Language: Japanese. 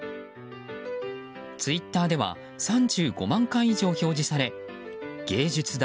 ツイッターでは３５万回以上表示され芸術だ。